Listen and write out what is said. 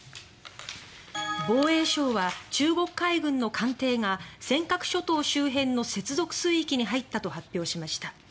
防衛省は、中国海軍の艦艇が尖閣諸島周辺の接続水域に入ったと発表しました。